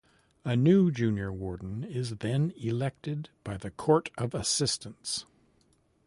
A new Junior Warden is then elected by the Court of Assistants.